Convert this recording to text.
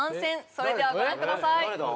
それではご覧ください誰だ？